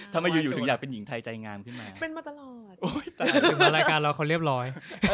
ทำไมอยู่อยู่ถึงอยากเป็นหญิงไทยใจงามขึ้นมาเป็นมาตลอดถึงมารายการเราเขาเรียบร้อย